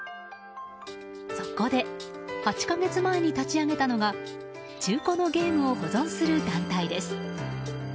そこで８か月前に立ち上げたのが中古のゲームを保存する団体です。